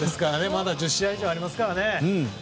まだ１０試合以上ありますから。